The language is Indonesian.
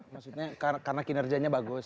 maksudnya karena kinerjanya bagus